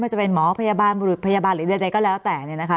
จะเป็นหมอพยาบาลบุรุษพยาบาลหรือใดก็แล้วแต่เนี่ยนะคะ